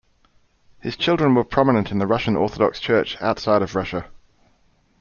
His children were prominent in the Russian Orthodox Church Outside of Russia.